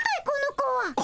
この子は。